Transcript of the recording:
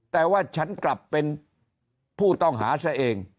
แต่ว่าฉันกลับเป็นผู้ต้องหาซะเอง